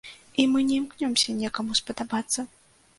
І мы не імкнёмся некаму спадабацца.